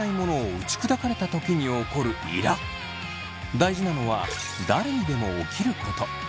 大事なのは誰にでも起きること。